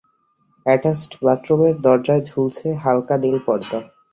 Attached বাথরুমের দরজায় ঝুলছে হালকা নীল পর্দা।